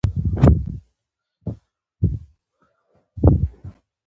د مرګ وخت ټاکلی دی مخکي له دې هیڅوک نسي کولی تاسو ووژني